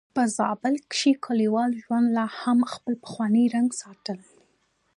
په زابل کې کليوالي ژوند لا هم خپل پخوانی رنګ ساتلی.